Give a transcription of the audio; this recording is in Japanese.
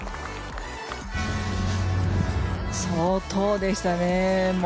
相当でしたね。